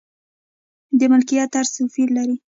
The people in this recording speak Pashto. د ملکیت طرز توپیر لري.